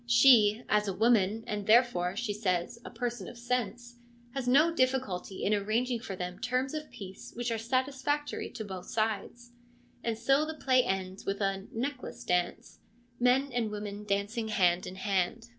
She, as a woman, and therefore, she says, a person of sense, has no difficulty in arranging for them terms of peace which are satisfactory to both sides ; and so the play ends with a ' necklace ' dance, men and women dancing hand in hand.